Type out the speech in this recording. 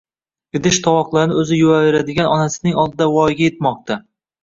idish-tovoqlarni o‘zi yuvaveradigan onasining oldida voyaga yetmoqda.